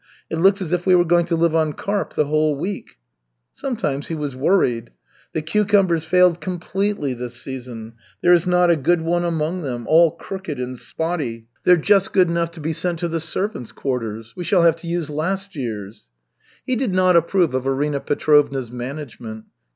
It looks as if we were going to live on carp the whole week." Sometimes he was worried. "The cucumbers failed completely this season. There is not a good one among them all crooked and spotty. They're just good enough to be sent to the servants' quarters. We shall have to use last year's." He did not approve of Arina Petrovna's management.